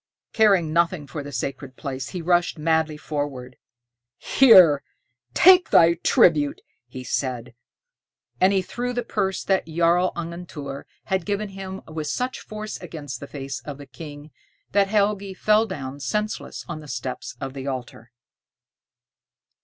Caring nothing for the sacred place, he rushed madly forward. "Here, take thy tribute," said he, and he threw the purse that Jarl Angantyr had given him with such force against the face of the King that Helgi fell down senseless on the steps of the altar.